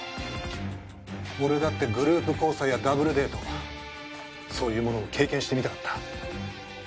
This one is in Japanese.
俺だってグループ交際やダブルデートそういうものを経験してみたかった。